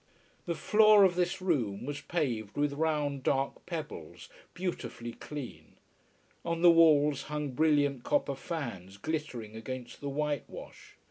The floor of this room was paved with round dark pebbles, beautifully clean. On the walls hung brilliant copper fans, glittering against the whitewash.